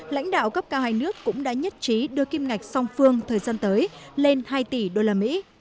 lãnh đạo cấp cao hai nước cũng đã nhất trí đưa kim ngạch song phương thời gian tới lên hai tỷ usd